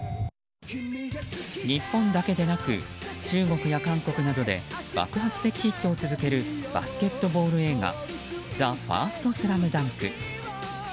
日本だけでなく中国や韓国などで爆発的なヒットを続けるバスケットボール映画「ＴＨＥＦＩＲＳＴＳＬＡＭＤＵＮＫ」。